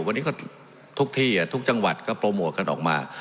วันนี้ก็ทุกที่ทุกจังหวัดก็โปรโมทกันออกมา